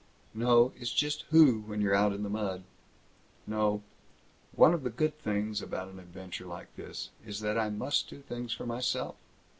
"No! It's just 'who,' when you're in the mud. No. One of the good things about an adventure like this is that I must do things for myself.